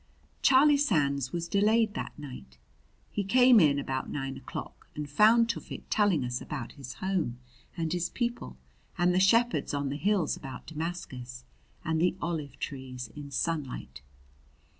Charlie Sands was delayed that night. He came in about nine o'clock and found Tufik telling us about his home and his people and the shepherds on the hills about Damascus and the olive trees in sunlight.